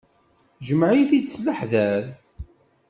Ijmeɛ-it-id s leḥder.